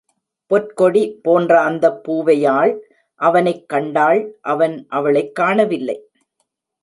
பொற்கொடி போன்ற அந்தப் பூவையாள் அவனைக் கண்டாள் அவன் அவளைக் காணவில்லை.